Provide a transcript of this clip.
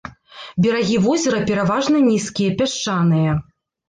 Берагі возера пераважана нізкія, пясчаныя.